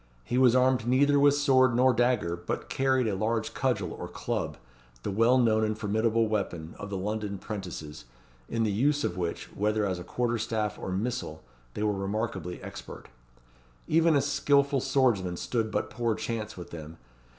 He was armed neither with sword nor dagger, but carried a large cudgel or club, the well known and formidable weapon, of the London 'prentices, in the use of which, whether as a quarterstaff or missile, they were remarkably expert. Even a skilful swordsman stood but poor chance with them.